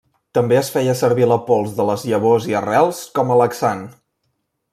També es feia servir la pols de les llavors i arrels com a laxant.